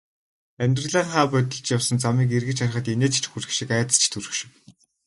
Амьдралынхаа будилж явсан замыг эргэж харахад инээд ч хүрэх шиг, айдас ч төрөх шиг.